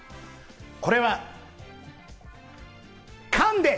これは缶です。